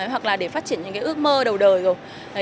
hoặc là để phát triển những cái ước mơ đầu đời rồi